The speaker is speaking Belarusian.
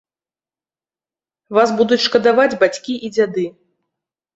Вас будуць шкадаваць бацькі і дзяды.